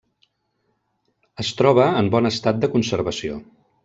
Es troba en bon estat de conservació.